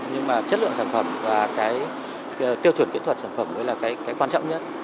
nhưng mà chất lượng sản phẩm và cái tiêu chuẩn kỹ thuật sản phẩm mới là cái quan trọng nhất